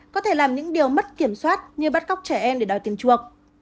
có thể làm những điều mất kiểm soát như bắt cóc trẻ em để đòi tiền chuộc